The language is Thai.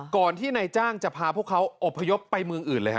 ที่นายจ้างจะพาพวกเขาอบพยพไปเมืองอื่นเลยฮ